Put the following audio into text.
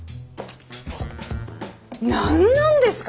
なんなんですか？